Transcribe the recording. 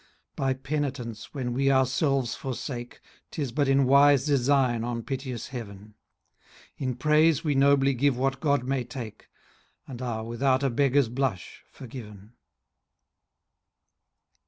By Penitence when we ourselves forsake, 'Tis but in wise design on piteous Heaven; 10 In Praise we nobly give what God may take, And are, without a beggar's blush, forgiven.